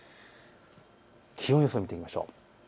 気温予想を見てみましょう。